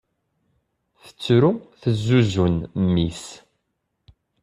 Tettru tezzuzzun mmi-s.